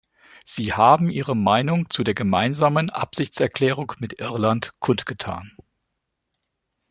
Sie haben Ihre Meinung zu der gemeinsamen Absichtserklärung mit Irland kundgetan.